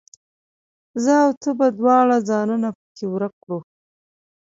زه او ته به دواړه ځانونه پکښې ورک کړو